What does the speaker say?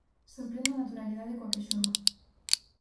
Sorprende a naturalidade coa que xoga.